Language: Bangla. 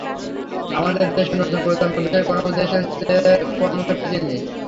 আমাদের দেশের নতুন প্রজন্ম বিশ্বের কোনো দেশের চেয়ে কোনো অংশে পিছিয়ে নেই।